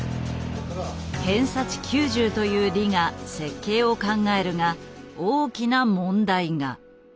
偏差値９０という李が設計を考えるが大きな問題が。